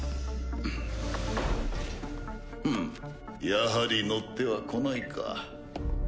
やはり乗ってはこないか。